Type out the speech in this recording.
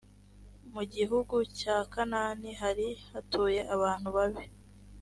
mu gihugu cya kanaani hari hatuye abantu babi